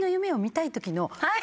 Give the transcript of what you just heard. はい。